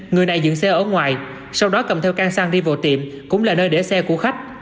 người này dựng xe ở ngoài sau đó cầm theo ca sang đi vào tiệm cũng là nơi để xe của khách